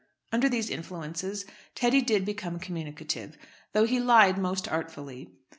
Under these influences Teddy did become communicative though he lied most awfully.